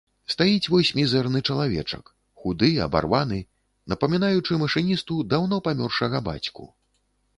Стаіць вось мізэрны чалавечак, худы, абарваны, напамінаючы машыністу даўно памёршага бацьку.